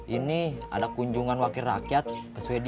ini ada kunjungan wakil rakyat ke sweden